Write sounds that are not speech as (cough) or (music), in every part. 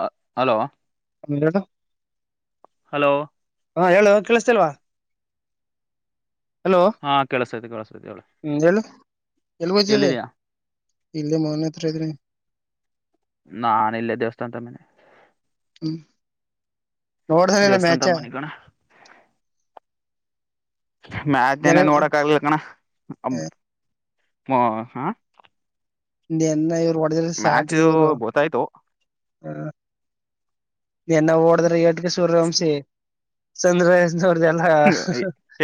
ಅ hello (unintelligible) hello ಹಾ ಹೇಳು ಕೇಳ್ಸತಿಲ್ವಾ? ಹಾ ಕೆಳ್ಸ್ತೈತೆ ಕೆಳ್ಸೈುತೆ ಹೇಳು ಎಲ್ಲಿಗ್ ಒಯ್ತಿದ್ದಿ? ಎಲ್ಲಿದೀಯಾ ಇಲ್ಲೆ ಮನೆ ಹತ್ರ ಇದಿನಿ ನಾನ್ ಇಲ್ಲೆ ದೇವಸ್ಥಾಂತ ಇದ್ನಿ ಹ್ಮ ನೋಡ್ದೇ ನೆನ್ನ ಮ್ಯಾಚ? ದೇವಸ್ಥಾನದ ಮನೆ ಕಣ ಮ್ಯಾಚ್ ನೆನ್ನೆ ನೋಡಕ್ ಆಗ್ಲಿಲ್ಲ ಕಣ ಓ ಹಾ ನೆನ್ನೆ ಮ್ಯಾಚು ಗೊತ್ತಾಯ್ತು ಹ್ಮ ನೆನ್ನೆ ಓಡ್ದಿರೋ ಏಟ್ಗೆ ಸೂರ್ಯವಂಶಿ (unintelligible) ಓರ್ದೆಲ್ಲ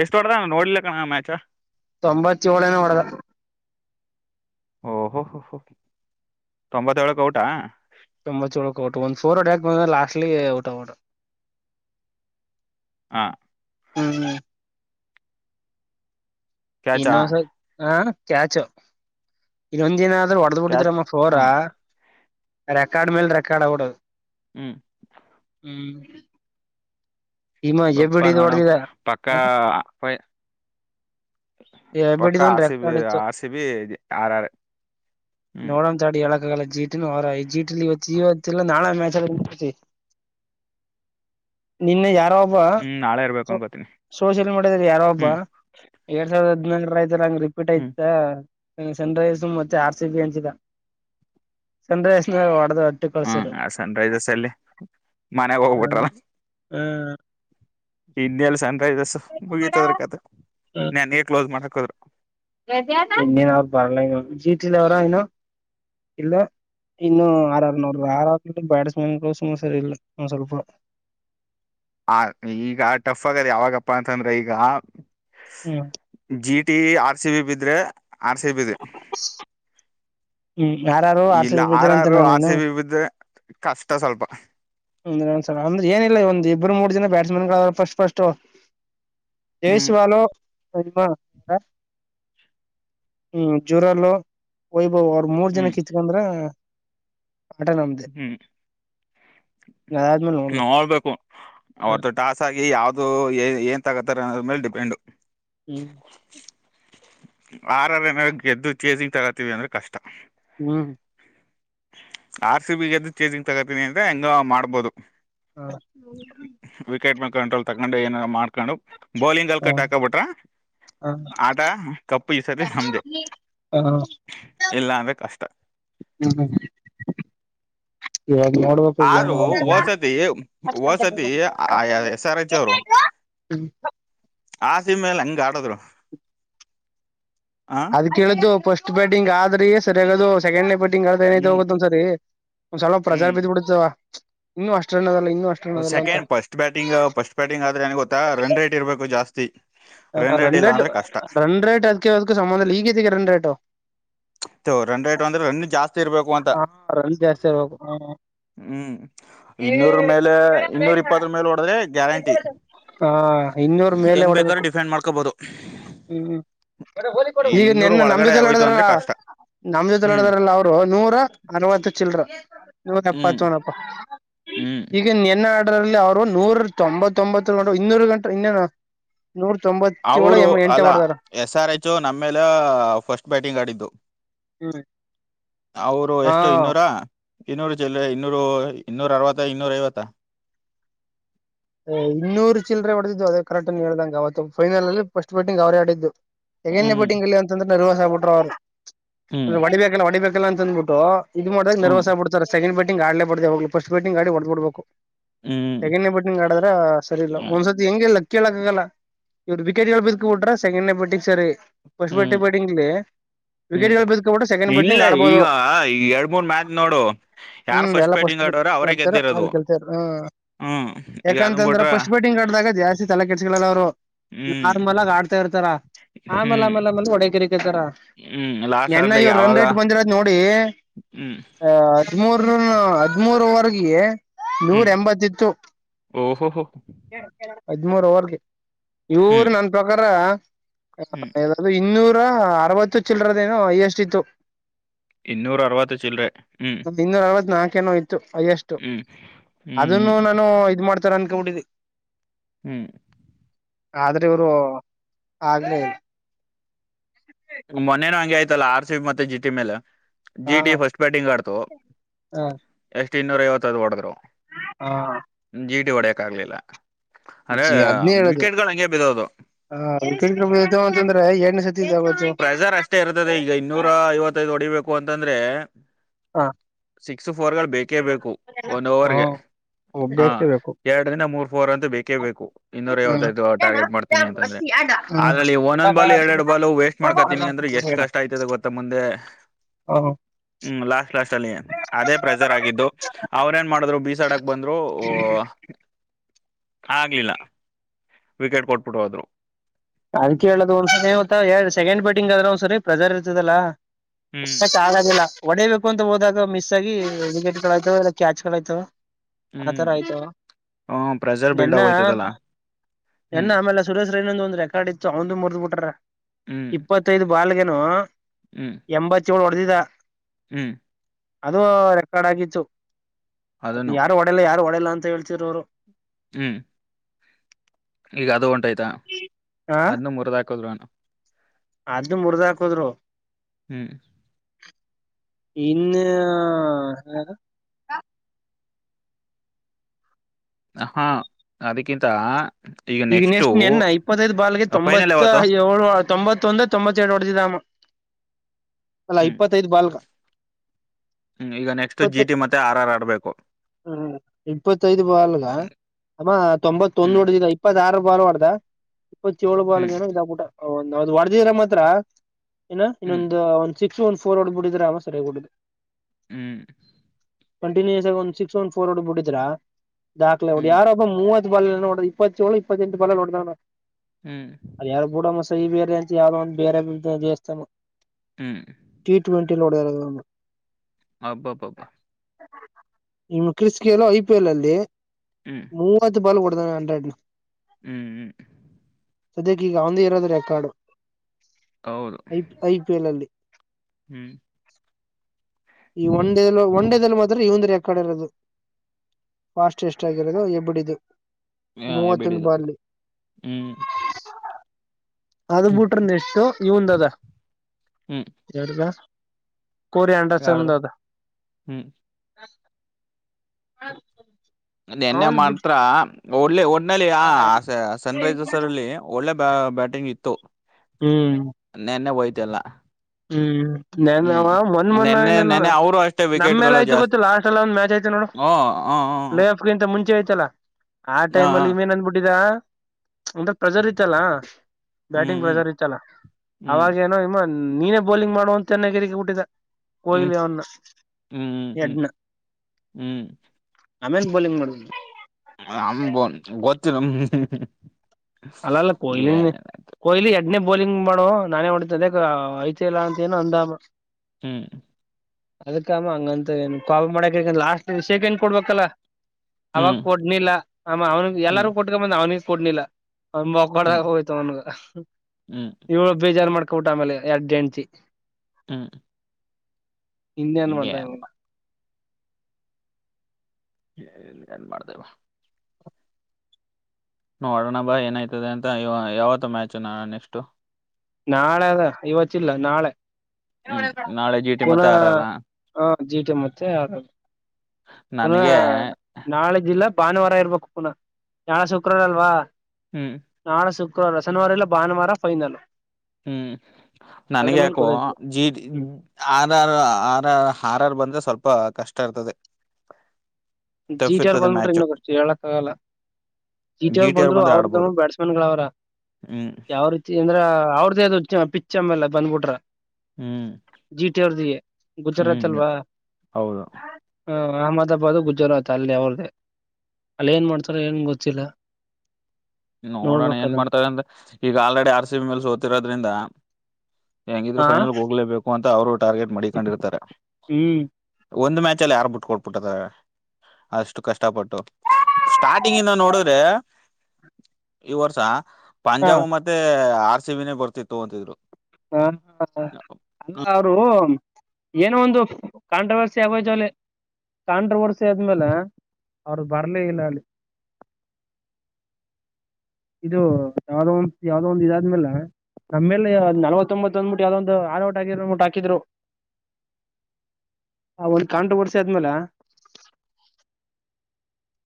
ಎಷ್ಟು ಹೊಡ್ದ ನೋಡ್ಲಿಲ್ಲ ಕಣ ಮ್ಯಾಚ್ ತೊಂಬತ್ತೋಳೆ ನೇ ಹೊಡೆದ ಓಹೋ ಹೋ ಹೋ ತೊಂಬತ್ತೇಳುಕ್ ಔಟ? ತೊಂಬ್ಬತ್ ಏಳುಕ್ ಔಟ್, ಒಂದ್ ಫೋರ್ ಓಡಿಯಾಕ್ ಬಂದ ಲಾಸ್ಟಲ್ಲಿ ಔಟ್ ಆಗ್ಬುಟ್ಟಾ ಹಾ ಹ್ಮ್ ಹ್ಮ ಕ್ಯಾಚಾ (unintelligible) ಹಾ ಕ್ಯಾಚು ಇನ್ನೊಂದ ದಿನ ಕ್ಯಾಚ್ ಹೊಡ್ದ್ಬುಟ್ಟುದ್ರಮ್ಮ ಫೋರಾ ಹ್ಮ್ ರೆಕಾರ್ಡ್ ಮೇಲೆ ರೆಕಾರ್ಡ್ ಆಗ್ಬುಡೋದು ಹ್ಮ್ ಹ್ಮ್ ಇಮ್ಮ ಎ ಬಪ್ಪ ಬಿಡಿದ್ ನೋಡಮ್ ಹೊಡ್ದಿದ ಪಕ್ಕಾ ಹ ಫೈ ಎ ಪಕ್ಕ ಬಿಡಿದ್ ಒಂದ್ ಆರ್ ಸಿ ಬಿ, ರೆಕಾರ್ಡ್ ಇತ್ತು ಆರ್ ಸಿ ಬಿ, ಆರ್ ಆರಾರೆ ಹ್ಮ್ ಜೀಟಿ ನು ಆರಾಯ್ ಜೀ ಟಿ ಇವತ್ ಇವತ್ತಲ್ಲ ನಾಳೆ ಮ್ಯಾಚ್ ನಿನ್ನೆ ಯಾರೋ ಹ್ಮ್ ನಾಳೆ ಇರ್ಬೇಕು ಸೊ ಅನ್ಕೋತೀನಿ ಸೋಷಿಯಲ್ ಮೀಡಿಯಾದಲ್ಲಿ ಯಾರೋ ಒಬ್ಬ ಹ್ಮ್ (unintelligible) ಹಂಗ್ ರಿಪೀಟ್ ಹ್ಮ್ ಆಯ್ತಾ ಸನ್ ರೈಸರ್ಸು ಮತ್ತೆ ಆರ್ ಸಿ ಬಿ ಅಂತಿದ, ಸನ್ ರೈಸರ್ಸನ ಹೊಡ್ದ ಹ್ಮ್ ಆ ಸನ್ ರೈಸಸ್ ಎಲ್ಲಿ ಮನೆಗ್ ಹೋಗ್ಬಿಟ್ರಲ್ಲ ಹ್ಮ್ ಹಿಂದಿಯಲ್ಲಿ ಸನ್ ರೈಸರ್ಸ್ ಮುಗೀತದ್ರ ಕತೆೆ (unintelligible) ಕ್ಲೋಸ್ ಮಾಡಾಕದ್ರು.. ಇನ್ನೇನ್ ಅವ್ರ ಬರ್ಲಾ (unintelligible) ಜಿಟಿ ಅವರ ಅಲ್ಲ ಇನ್ನು. ಇನ್ನು ಆರ್ ಆರನವರು ಸರಿಯಾಗಿಲ್ಲ ಬ್ಯಾಟ್ಸ್ಮನ್ ಗಳು ಸ್ವಲ್ಪ. ಆ ಈಗ ಟಫ್ ಆಗದ ಯಾವಾಗಪ್ಪ ಅಂತಂದ್ರೆ ಈಗ ಹ್ಮ. ಜಿಟಿ ಆರ್ಸಿಬಿ ಬಿದ್ರೆ ಆರ್ ಸಿ ಬಿದೆ. (unintelligible) ಹ್ಮ್ ಯರಾರು ಆರ್ ಸಿ ಇಲ್ಲ ಬಿ ಗೆದ್ದರೆ ಆರ್ ಅಂತನ ಆರ್ ನೀನು? ಸಿ ಬಿ ಬಿದ್ರೆ ಕಷ್ಟ ಸ್ವಲ್ಪ. ಒಂದ್ಸಲ ಅಂದ್ರೆ ಏನಿಲ್ಲ ಒಂದ್ ಇಬ್ಬರು ಮೂರು ಜನ ಬ್ಯಾಟ್ಸ್ಮನ್ಗಳೂ ಅವರ ಫಸ್ಟ್ ಫಸ್ಟ್. ಹ್ಮ್ ಜೈಸ್ವಲು. (unintelligible) ಹ್ಮ ಜುರಾಲೋ, ವೈಭವ್. ಅವ್ರ ಮೂರ್ ಜನ ಹ್ಮ್ ಕಿತ್ಕಂದ್ರ. ಅಟ ನಮ್ದೇ. ಹ್ಮ್ ನೋಡ್ಬೇಕು, ಅವತ್ತು ಟಾಸ್ ಆಗಿ ಯಾವ್ದ ದು ಏನ್ ತಗತ್ತಾರೆ ಅನ್ನೋದರ ಮೇಲೆ ಡಿಪೆಂಡ್. ಹ್ಮ್. ಆರರೇನಾದ್ರೂ ಗೆದ್ದು ಚೇಸಿಂಗ್ ತಗೋತೀವಿ ಅಂದ್ರೆ ಕಷ್ಟ. ಹ್ಮ್. ಆರ್ ಸಿ ಬಿ ಗೆದ್ದು, ಚೇಜಿಂಗ್ ತಗೋತೀನಿ ಅಂದ್ರೆ ಹೆಂಗೋ ಮಾಡ್ಬೋದು. ಹಾ. ವಿಕೆಟ್ ಮೇಲೆ ಕಂಟ್ರೋಲ್ ತಗೊಂಡು ಏನಾನ ಮಾಡ್ಕೊಂಡು ಬೌಲಿಂಗ್ ಅಲ್ ಹ ಕಟ್ಟ ಹಾಕ ಬಿಟ್ರ ಆಟ ಕಪ್ಪು ಈ ಸತಿ ನಮ್ದೇ. ಹ ಇಲ್ಲಾಂದ್ರೆ ಕಷ್ಟ. ಹ್ಮ ಹಾ. ಇವಾಗ ನೋಡಬೇಕು ಇವಾಗ ಆದ್ರೂ ಏನ್ ಮಾಡ್ತಾರೆ ಓಸತಿ ಓಸತಿ ಎಸ್ ಆರ್ ಅಂತ. ಆರ್‌ಸಿಬಿ ಮೇಲೆ ಹೆಂಗ್ ಆಡುದ್ರು. ಅದಕ್ಕೆ ಹೇಳದ್ದು ಫಸ್ಟು ಫಸ್ಟ್ ಬ್ಯಾಟಿಂಗ್ ಆಡಿದ್ರೇನೇ ಸರಿಯಾಗೋದು, ಸೆಕೆಂಡ್ ಬ್ಯಾಟಿಂಗ್ (unintelligible) ಏನಾಯ್ತು ಹ್ಮ್ ಒಂದೊಂದ್ ಸರಿ. ಒಂದ್ ಸ್ವಲ್ಪ ಪ್ರೆಷರ್ ಹ್ಮ್ ಬಿದ್ಬಿಡ್ತಾವ. ಇನ್ನು ಅಷ್ಟು ರನ್ ಅದಲ್ಲ. ಇನ್ನು ಅಷ್ಟ್ ರನ್ ಅದಲ್ಲ ಅಂತ second, first batting, first batting ಆದ್ರೆನ್ ಗೊತ್ತಾ, ರನ್ ರೇಟ್ ಇರ್ಬೇಕು ಜಾಸ್ತಿ. (unintelligible) ಹ ರನ್ ಇಲ್ಲ ರೇಟ್, ಅಂದ್ರೆ ಕಷ್ಟ ರನ್ ರೇಟ್ ಅದ್ಕ ಅದ್ಕ ಸಂಬಂಧ ಇಲ್ಲ (unintelligible) ರನ್ ರೇಟ್. ರನ್ ರೇಟ್ ಅಂದ್ರೆ ರನ್ ಜಾಸ್ತಿ ಇರ್ಬೇಕು ಅಂತ. ಹ ರನ್ ಜಾಸ್ತಿ ಆಗ್ಬೇಕು ಹ್ಮ, ಇನ್ನೂರ ಮೇಲೆ, ಇನ್ನೂರ್ ಇಪ್ಪತ್ ಮೇಲೆ ಹೊಡೆದ್ರೆ ಗ್ಯಾರಂಟಿ. ಹ ಇನ್ನೂರ್ ಮೇಲೆ ಹೆಂಗ್ ಬೇಕಾದ್ರು ಹೊಡಿಬೇಕು ಡಿಫೆಂಡ್ ಮಾಡ್ಕೋಬಹುದು ಹ್ಮ್ ಈಗ ಇನ್ನೂರು ನೆನ್ನೆ ನಮ್ ಒಳಗಡೆ ಜೊತೆಲ್ ಆಗೋಯ್ತು ಅಂದ್ರೆ ಆಡಿದ್ರಲ್ಲ ಕಷ್ಟ ನಮ್ ಜೊತೆಲ್ ಹ್ಮ್ ಆಡಿದ್ರಲ್ಲ, ಅವರು ನೂರ ಅರವತ್ತು ಚಿಲ್ರೆ. ಹ್ಮ್ (unintelligible) ಹ್ಮ್ ಹನ್ನೆರಡರಲ್ಲಿ ಅವರು ನೂರ ತೊಂಬತ್ತೊಂಬತ್ತು ಇನ್ನೂರು ಗಂಟ ಇನ್ನೇನು ನೂರ ತೊಂಬತ್ತೇಳು ಅವರು, ಎ ಎಂಟೆ ಅಲ್ಲ ಹೊಡದಾರ ಎಸ್ಆರ್ಎಚ್ ನಮ್ಮ ಮೇಲೆ ಫಸ್ಟ್ ಬ್ಯಾಟಿಂಗ್ ಆಡಿದ್ದು ಹ್ಮ್ ಅವರು ಹಾ ಎಷ್ಟೋ ಇನ್ನೂರ ಇನ್ನೂರು ಚಿಲ್ರೆ, ಇನ್ನೂರು, ಇನ್ನೂರ ಅರ್ವತ್ತ, ಇನ್ನೂರ ಐವತ್ತ? ್ ಇನ್ನೂರು ಚಿಲ್ಲರೆ ಹೊಡೆದಿದ್ದು ಅದೇ ಕರೆಕ್ಟ ನೀ ಹೇಳ್ದಂಗ, ಅವತ್ತು ಫೈನಲ್ ಅಲ್ಲಿ ಫಸ್ಟ್ ಬ್ಯಾಟಿಂಗ್ ಅವರೇ ಆಡಿದ್ದು. ಹ್ಮ್ (unintelligible) ಇಲ್ಲ ಅಂತಂದ್ರ (unintelligible) ಹ್ಮ್ ಅಲ್ಲ ಹೊಡಿಬೇಕಲ್ಲ, ಹೊಡಿಬೇಕು ಅಂತ ಅಂದ್ಬಿಟ್ಟು ಇದು ಮಾಡ್ವಾಗ ಹ್ಮ್ ನರ್ವಸ್ ಆಗ್ ಬಿಡ್ತಾರೆ ಸೆಕೆಂಡ್ ಬ್ಯಾಟಿಂಗ್ ಬ್ಯಾಟಿಂಗ್ ಆಡಲೇ ಬಾರದು ಯಾವಾಗ್ಲೂ ಫಸ್ಟ್ ಬ್ಯಾಟಿಂಗ್ ಆಡಿ ಹೊಡೆದು ಬಿಡಬೇಕು. ಹ್ಮ್ ಆದ್ರೆ ಸರಿ ಇಲ್ಲ. ಒಂದ್ಸತಿ ಹೆಂಗೆ ಲಕ್ ಹೇಳಕ್ಕಾಗಲ್ಲ ಇವ್ರು ವಿಕೆಟ್ (unintelligible) ಬಿಟ್ರೆ ಸೆಕೆಂಡ್ ನೆ ಬ್ಯಾಟಿಂಗ್ ಸರಿ ಫಸ್ಟ್ ಬಟ್ಟಿ ಹ್ಮ್ ಬ್ಯಾಟಿಂಗಲ್ಲಿ, ಹ್ಮ್ ವಿಕೆಟ್ಗಳು (unintelligible) ಸೆಕೆಂಡ್ ನೆ ಬ್ಯಾಟಿಂಗ್ ಇಲ್ಲ ಅಲ್ಲಿ ಆಡ್ಬೋದು. ಈಗ ಈ ಎರಡ್ ಮೂರ್ ಮ್ಯಾಚ್ ನೋಡು ಯಾರ್ ಹ್ಮ್ ಎಲ್ಲ ಫಸ್ಟ್ ಬ್ಯಾಟಿಂಗ್ ಆಡೋರ ಅವರೇ ಆಡ್ತಾರಾ ಗೆದ್ದಿರೋದು ಅವ್ರೇ ಗೆಲ್ತಾರ ಹ್ಮ್ ಈಗ ಅದನ್ ಯಾಕಂತಂದ್ರ ಬಿಟ್ರ ಫಸ್ಟ್ ಬ್ಯಾಟಿಂಗ್ ಆಡಿದಾಗ ಜಾಸ್ತಿ ತಲೆ ಕೆಡಿಸಿಕೊಳ್ಳಲ ಅವರು. ಹ್ಮ್ ನಾರ್ಮಲ್ ಆಗಿ ಆಡ್ತಾ ಇರ್ತಾರ, ಆಮೇಲೆ ಹ್ಮ್ ಆಮೇಲೆ ಆಮೇಲೆ ಹೊಡಿಯಾಕ್ (unintelligible) ಹ್ಮ್ ಲಾಸ್ಟ್ ನೆನ್ನ ಆರ್ಲಿ ಇವರು ರನ್ ಯಾವಾಗ ರೈಟ್ ಬಂದಿರೋದ ನೋಡಿ ಹ್ಮ್ ಆ ಹದ್ಮೂರ್, ಹದ್ಮೂರವರೆಗೆ ನೂರ ಎಂಬತ್ತಿತ್ತು ಓಹೋ ಹೋ ಹದ್ಮೂರು ಓವರ್ ಗೆ ಇವರು ನನ್ ಪ್ರಕಾರ ಹ್ಮ್ ಹ ಇನ್ನೂರು ನೂರ ಅರವತ್ತು ಚಿಲ್ರೆದೇನೋ ಹೈಯೆಸ್ಟ್ ಇತ್ತು. ಇನ್ನೂರು ಅರವತ್ತು ಚಿಲ್ಲರ ಹ್ಮ್ (unintelligible) (unintelligible) ಅಯಷ್ಟು ಹ್ಮ್ ಹ್ಮ್ ಅದನ್ನು ಹ್ಮ್ ನಾನು ಮಾಡ್ತಾರ ಅನ್ಕಬಡಿದ ಹ್ಮ್ ಆದ್ರೆ ಇವರು ಆಗ್ಲೇ ಇ ಮೊನ್ನೆನು ಹಂಗೆ ಆಯ್ತಲ್ಲ ಆರ್ ಸಿ ಬಿ ಮತ್ತೆ ಜಿಟಿ ಮೇಲೆ ಹಾ ಜಿ ಹ ಟಿ ಫಸ್ಟ್ ಬ್ಯಾಟಿಂಗ್ ಆಡ್ತು ಎಷ್ಟ ಇನ್ನೂರೈವತ್ತತ್ತುದು ಹೊಡದರು ಹಾ ಒಡೆಯಕ್ ಆಗ್ಲಿಲ್ಲ ಅಂದ್ರೆ ಜಿ ಹದ್ನೇ ಹೇಳೋದು ವಿಕೆಟ್ ಗಳು ಹಂಗೆ ಬಿದೋದು ಹ (unintelligible) ಅಂತಂದ್ರೆ ಎರನೇ ಸತಿ ಇದ ಪ್ರೆಸರ್ ಅಷ್ಟೇ ಇರ್ತದೆ ಈಗ ಇನ್ನೂರ ಐವತ್ತೈದ ಒ ನಡಿಬೇಕು ಅಂತಂದ್ರೆ ಹ ಸಿಕ್ಸ್ ಫೋರ್ ಗಳು ಬೇಕೇ ಬೇಕು ಒಂದ ಹ ಓವರ್ಗೆ ಹ ಒಬ್ಬೇಕೇ ಬೇಕು ಎರಡರಿಂದ ಮೂರ್ ಫೋರ್ ಅಂತ ಬೇಕೇ ಬೇಕು ಇನ್ನೂರ ಹ್ಮ ಐವತ್ತೈದು ಟಾರ್ಗೆಟ್ ಮಾಡ್ತೀನಿ ಅಂತಂದ್ರೆ ಹ್ಮ ಅದ್ರಲ್ಲಿ ಒಂದೊಂದ ಬಾಲ್ ಎರಡ್ ಎರಡು ಬಾಲು ವೇಸ್ಟ್ ಹ ಮಾಡ್ಕಾತೀನಿ ಅಂದ್ರೆ ಎಷ್ಟ್ ಕಷ್ಟ ಆಯ್ತದೆ ಗೊತ್ತ ಮುಂದೆ ಲಾಸ್ಟ್ ಲಾಸ್ಟ್ ಅಲ್ಲಿ ಅದೇ ಪ್ರೆಸರ್ ಆಗಿದ್ದು ಅವ್ರೇನ್ ಮಾಡಿದ್ರು ಬೀಸಾಡಕ್ ಬಂದ್ರು ಆಗ್ಲಿಲ್ಲ ವಿಕೆಟ್ ಕೊಟ್ಬಿಟ್ಟು ಹೋದ್ರು ಅದ್ಕೆ‌ ಹೇಳೊದು ಒಂದ್ಸ (unintelligible) ಸೆಕೆಂಡ್ ಬ್ಯಾಟಿಂಗ್ ಆದ್ರೆ ಒಂದ್ಸರಿ ಪ್ರಜಾರ್ ಇರ್ತದಲ್ಲಾ ಹ್ಮ್ (unintelligible) ಹೊಡೇಬೇಕು ಅಂತ ಹೋದಾಗ ಮಿಸ್ ಆಗಿ ವಿಕೆಟ್ಗಳುಾಯ್ತವ ಇಲ್ಲ ಕ್ಯಾಚ್ಗಳುಗಳಾಯ್ತಾವ ಆತರ ಹ್ಮ್ ಆಯ್ತು ಹ ಪ್ರೆಷರ್ ಬಿಲ್ಡ್ ನೆನ್ನ ಆಗೋಯ್ತದಲ್ಲ ನೆನ್ನ ಹ್ಮ್ ಆಮೇಲೆ ಸುರೇಶ್ (unintelligible) ಕಡಿತ್ತುು ಅವ್‌ನ್ದು ಮುರ್ದ್ಬ ಬಿಟ್ರ ಹ್ಮ್ ಇಪ್ಪತ್ತೈದು ಬಾಲ್ಗೆನೊ ಹ್ಮ್ ಎಂಬತ್ತು (unintelligible) ಹೊಡದಿದ್ದ ಹ್ಮ್ ಅದು ರೆಕಾರ್ಡ್ ಆಗಿತ್ತು ಅದ್ ಅದನ್ನು ಯಾರು ಒಡಿಯಲ್ಲ ಯಾರು ಒಡೆಯಲ್ಲ ಅಂತ (unintelligible) ಹ್ಮ್ ಈಗ ಅದು ಒಂಟ (unintelligible) ಯ್ತಾ ಹ ಅದ್ನು ಮೂರ್ದ ಹಾಕಿದ್ರು ಅನ್ನು ಅದ್ನು ಮುರ್ದ್ ಹಾಕದ್ರು ಹ್ಮ್ ಇನ್ನು ಹ ಹಾ ಅದಕ್ಕಿಂತ ಈಗ ನೆಕ್ಸ್ಟು ಈಗಿನೆಷ್ಟ್ ನೆನ್ ಇಪ್ಪತೈದ್ ಬಾಲ್ಗೆ ಫೈನಲ್ ತೊಂಬತ್ತ ಯಾವತ್ತು ಯೋಳು ತೊಂಬತ್ತೊಂದೋ ತೊಂಬತ್ತೆರಡು ಹೊಡ್ದಿದ್ದು ಅವ್ನು ಅಲ್ಲಾ ಹ್ಮ್ ಇಪ್ಪತ್ತೈದ್ ಬಾಲ್ಗ ಹ್ಮ್ ಈಗ ನೆಕ್ಸ್ಟ್ ಜಿ ಇಪ್ಪತ್ತುಕ್ ಟಿ ಮತ್ತೆ ಆರ್ ಆರ್ ಆಡ್ಬೇಕು ಹ್ಮ ಇಪ್ಪತ್ತೈದು ಬಾಲ್ಗ ಅಮ್ಮ ತೊಂಬತ್ತೊಂದು ಹ್ಮ್ ಹೊಡ್ದಿಲ್ಲಾ ಟಾರು ಬಾಲು ಹೊಡ್ದೆ ಕೋಚ್ ಯೋಳ್ ಹ್ಮ್ ಹ್ಮ್ ಬಾಲ್ಗೆನೋ ಇದಾಗ್ ಬಿಟ್ಟ ಓ ಒಂದ್ ಹೌದ್ ಹೊಡೆದಿದ್ರೆ ಮಾತ್ರ ಏನ ಹ್ಮ್ ಇನ್ನೊಂದು ಒನ್ ಸಿಕ್ಸ್ ಒಂದ್ ಫೋರ್ ಹೊಡ್ದ್ ಬಿಟ್ಟಿದ್ರೆ ಆಮೇಲ್ ಸರಿ ಹೋಗ್ಬಿಟ್ಟಿದ್ ಹ್ಮ್ ಕಂಟಿನ್ಯೂಸ್ ಆಗ್ ಒಂದ್ ಸಿಕ್ಸ್ ಒಂದ್ ಫೋರ್ ಹೊಡ್ದ್ ಬಿಟ್ಟಿದ್ರ ದಾಖಲೆ ಹೊಡಿ ಹ್ಮ್ ಯಾರೊ ಒಬ್ಬ ಮೂವತ್ (unintelligible) ನೋಡ್ರಿ ಇಪ್ಪತ್ಯೋಳು ಇಪ್ಪತೆಂಟ್ ಬಾಲಲ್ ಹೊಡ್ದವನು ಅವ್ನು ಅಲ್ ಯಾರೋ ಮೂಡ ಮಸ್ ಈ ಬೇರೆ ಅಂತ ಯಾವೂದೋ ಒಂದು ಬೇರೆ (unintelligible) ದೇವಸ್ಥಾನ ಹ್ಮ್ (unintelligible) ಅಬ್ಬಬಬ ಇನ್ Chris Gayle I P L ಅಲ್ಲಿ ಹ್ಮ್ ಮೂವತ್ತು ಬಾಲ್ಗ ಹೊಡದವನನ್ (unintelligible) ಹ್ಮ್ ಹ್ಮ್ ಸದ್ಯಕ್ ಈಗ ಅವಂದೇ ಇರೋದು ರೆಕಾರ್ಡ್ ಹೌದು ಐ ಐ ಪಿ ಎಲ್ ಅಲ್ಲಿ ಹ್ಮ್ ಈ ಒಂದೇನು ಒಂಡೇದಲ್ ಮಾತ್ರ ಇವನ್ದ್ ರಿಯಾ ಕಡೆರೋದು ಫಾಸ್ಟ ಎಷ್ಟ್ ಆಗಿರೋದು ಎಬಿಡಿದು ಏನೋ ಐಬಿಡಿದು ಹ್ಮ್ ಅದು ಹ್ಮ್ ಬಿಟ್ರ ನೆಕ್ಸ್ಟು ಇವಂದದ ಹ್ಮ್ ಯಾರ್ದ ಕೊರಿಯಾಂಡರ್ಸನ್ ಯಾರ್ದು ದದ ಹ್ಮ್ (unintelligible) ನೆನ್ನೆ ಅವನ್ ಬಿಟ್ ಮಾತ್ರ ಒಳ್ಳೆ ಓನ್ ಟ್ನಲ್ಲಿ ಆ ಆಸ್ ಸನ್ ರೈಸರ್ಸ್ ಅವರ್ ಇಲ್ಲಿ ಒಳ್ಳೆ ಬಾ ಬ್ಯಾಟಿಂಗ್ ಇತ್ತು ಹ್ಮ್ ಎಲ್ಲ ಹ್ಮ್ ನ ಮಂದ್ ನೆನ್ನೆ ಮೊನ್ನ ನೆನ್ನೆ ಅವರು ಅಷ್ಟೇ ವಿಕೆಟ್ ನಮ್ಮೆಲೆ ಗಳು ಆಯ್ತು ಗೊತ್ತು ಜಾಸ್ತಿ ಲಾಸ್ಟ್ ಎಲ್ಲ ಒಂದ್ ಮ್ಯಾಚ್ ಆಯ್ತು ನೋಡು ಹ ಹ ಪ್ಲೇ ಆಫ್ ಗಿಂತ ಮುಚೆಯತಲ್ಲ ಆ ಹ ಟೈಮ ಅಲ್ಲಿ ಇವ ಏನ್ ಅಂದಬಿಟ್ಟಿದ ಅಂದ್ರ ಪ್ರೆಜರ್ ಇತ್ತಲ್ಲ ಹ್ಮ್ ಬ್ಯಾಟಿಂಗ್ ಹ್ಮ್ ಪ್ರೆಜರ್ ಇತ್ತಲ್ಲ ಹ್ಮ್ ಅವಾಗ ಏನೋ ಇಮ್ಮ ನೀನೇ ಬೌಲಿಂಗ್ ಮಾಡುವಂತನ್ನಗರಿಗೆ ಬಿುಟ್ಟಿದ್ದ ಹ್ಮ್ ಕೊಹ್ಲಿ ಅವ್ನ ಹ್ಮ್ ಹ್ಮ್ ಹೆಡ್ನ್ ಹ್ಮ್ ಆಮೇಲ್ಲ್ ಬೋಲಿಂಗ್ ಮಾಡಿ ಅಂಬ (unintelligible) ಗೊತ್ತ ಚರ (unintelligible) ಅಲ್ಲ ಅಲ್ಲ ಕೊಹ್ಲಿನೇ ಕೊಹ್ಲಿ ಎ ಇನ್ನೇ ಬೌಲಿಂಗ್ ಮಾಡುವ ನಾನೇ ಮಾಡ ಅದ ಐತಿ ಇಲ್ಲಾ ಅಂತ ಏನ ಅಂದಾ ಹ್ಮ್ ಅದಕಮ್ಮ ಹಂಗಂತ ಏನು ಕಾಲ್ ಮಾಡ್ಯಕಂದ ಲಾಸ್ಟ್ ಶೇಕ್ಹಂಡ್ ಕೊಡ್ಬೇಕಲ್ಲ ಅವಾಗ ಹ್ಮ್ ಕೊಡ್ನಿಲ್ಲ ಆ ಅವ್ನ ಎಲ್ಲಾರೂ ಹ್ಮ್ ಕೊಟ್ಕಬಂದ ಅವ್ನಿ (unintelligible) ಪೂರ್ಣಿಲಾ (unintelligible) ಮೊಖೊಡ್ಡಂಗೆ ಹ್ಮ್ ಆಗೋಯ್ತು ಅವ್ನಗ ಹ್ಮ್ ಇವಳ ಬೇಜಾರು ಮಾಡ ಔಟ್ ಆಡ್ಮೇಲೆ ಎರಡ್ ಎಂತಿ ಹ್ಮ್ ಇನ್ನೇಏನ್ ಮಾಡ್ದ ಏನ್ ಇವಲ್ಲ ಏ ಏನ್ ಮಾಡ್ದೇವ ನೋಡೋಣ ಬಾ ಏನಯ್ತದೆ ಅಂತ ಯಾವತ್ತ ಮ್ಯಾಚ ನ ನೆಕ್ಸ್ಟ್ ನಾಳೆ ಅದ ಇವತ್ತಿಲ್ಲ ನಾಳೆ ಹ್ಮ್ ನಾಳೆ ಜಿ ಟಿ ಮತ್ತೆ ಪುನಃ ಆರಾರ ಹ ಜಿಟಿ ಮತ್ತೆ ಆರ್ ಆರ್ ಪುನಃ ನನಗೆ ನಾಳೆಜಿ ಭಾನುವಾರ ಇರ್ಬೇಕು ಪುನಃ ನಾಳ ಶುಕ್ರವಾರ ಅಲ್ವಾ ಹ್ಮ್ ನಾ ರ ಸನವಾರಲ್ಲ ಬಾನುವಾರ ಪೈನಲ್ ಹ್ಮ್ ನನ್ಗ ಯಾಕು ಗೊತ್ತಾಯ್ತದೆ ಜೀ ಹ್ಮ್ ಆರಾರ್ ಆರ ಆರಾರ್ ಬಂದ್ರೆ ಸ್ವಲ್ಪ ಪ್ಪ ಕಷ್ಟ ಇರ್ತದೆ ಜಿ ಟಫ್ ಟಿ ಅವರ್ ಇರ್ತದೆ ಬಂದ್ಬಿಟ್ರಿ ಮ್ಯಾಚು ಇನ್ನುಷ್ಟ ಹೇಳಕ್ ಆಗಲ್ಲ ಜಿ ಟಿ ಅವರ್ ಆರ್ ಬಂದ್ರು ಬಂದ್ರೆ ಅವ್ರ ಆಡ್ಬೋದು ಬ್ಯಾಟ್ಸ್ಮ್ಯಾನ್ ಗಳ ಅವ್ರ ಹ್ಮ್ ಯಾವ ರೀತಿ ಅಂದ್ರ ಅವ್ರ ಅ ಅ ಪಿಚ್ಚಮ್ಮ ಎಲ್ಲ ಬಂದ್ಬಿಟ್ರ ಹ್ಮ್ ಜಿಟಿ ಅವ್ರದಿಗೆ ಹ್ಮ್ ಗುಜರಾತ್ ಹ್ಮ್ ಅಲ್ವಾ ಹೌದು ಹ ಆಮಾದಬಾದ ಗುಜರಾತ್ ಆಯತ ಅಲ್ಲಿ ಅವ್ರ್ದೇ ಅಲ್ಲಿ ಏನ್ ಮಾಡ್ತಾರ ಏನ್ ಗೊತ್ತಿಲ್ಲ ನೋಡೋಣ ನೋಡ್ಬೇಕ ಏನ್ ಅದನ್ನ ಮಾಡ್ತಾರೆ ಅಂದ್ರ ಈಗ ಆಲ್ರೆಡಿ ಆರ್ ಸಿ ಬಿ ಮೇಲ್ ಸೋತಿರೋದ್ರಿಂದ ಹೆಂಗಿದ್ರು ಹಾ ಫೈನಲ್ ಹೋಗ್ಲೇಬೇಕು ಅಂತ ಅವ್ರು ಟಾರ್ಗೆಟ್ ಮಾಡಿಕೊಂಡಿರ್ತಾರೆ ಹ್ಮ್ ಒಂದು ಮ್ಯಾಚ ಅಲ್ಲಿ ಯಾರು ಬಿಟ್ಟ ಕೊಟ್ಬಿಟ್ಟದ ಅಷ್ಟು ಕಷ್ಟ ಇಷ್ಟಪಟ್ಟು ಸ್ಟಾರ್ಟಿಂಗ್ ಇಂದ ನೋಡಿದ್ರೆ ಈ ವರ್ಷ ಹಾ ಪಂಜಾಬ ಮತ್ತೆ ಆರ್ ಸಿಬಿನೇ ಬರ್ತಿತ್ತು ಅಂತಿದ್ರು ಹಾ ಹ ಅಲ್ಲ ಅವರು ಏನೋ ಒಂದು ಕಾಂಟವರ್ಸಿ ಅಮೇಜ್ ಆಗೋಯ್ತು ಅಲ್ಲಿ ಕಾಂಟವರ್ಸಿ ಆದ ಆದ್ಮೇಲೆ ಅವ್ರ ಬರ್ಲಿ ಇಲ್ಲ ಇದು ಯಾವ್ದೋ ಒಂದ್ ಯಾವ್ದೊ ಒಂದು ಇದಾದ್ಮೇಲೆ ನಮ್ಮೇಲೆ ನಲ್ವತ್ತೊಂಬತ್ತೊಂದ್ ಅಂದ್ಬಿಟ್ಟು ಯಾವ್ದೊಂದು ಆಲ್ ಔಟ್ ಆಗಿತ್ ಹಾಕಿದ್ರು ಆ ಒಂದ್ ಕಾಂಟ ವರ್ಸೆ ಆದ್ಮೇಲೆ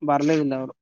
ಬರ್ಲೆ ಇಲ್ಲ ಅವರು